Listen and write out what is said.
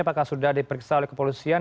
apakah sudah diperiksa oleh kepolisian